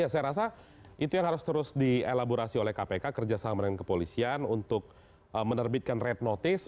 saya rasa itu yang harus terus dielaborasi oleh kpk kerjasama dengan kepolisian untuk menerbitkan red notice